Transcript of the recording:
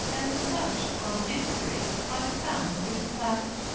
and such, upon inquiry, I found to be the fact.